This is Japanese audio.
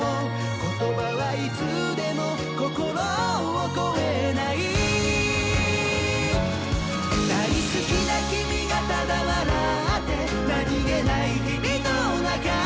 「言葉はいつでも心を超えない」「大好きな君がただ笑って何気ない日々の中」